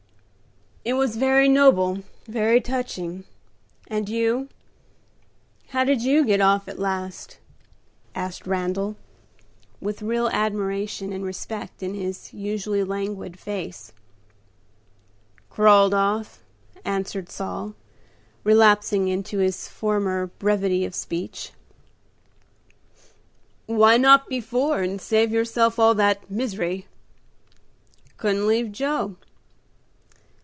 "It was very noble, very touching. And you? how did you get off at last?" asked Randal, with real admiration and respect in his usually languid face. "Crawled off," answered Saul, relapsing into his former brevity of speech. "Why not before, and save yourself all that misery?" "Couldn't leave Joe."